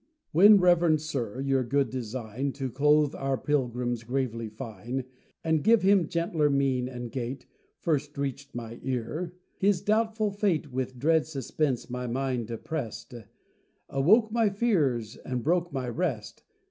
When, Reverend Sir, your good design, To clothe our Pilgrim gravely fine, And give him gentler mien and gait, First reached my ear, his doubtful fate With dread suspense my mind oppressed, Awoke my fears, and broke my rest.